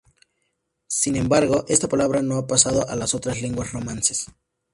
Sin embargo, esta palabra no ha pasado a las otras lenguas romances.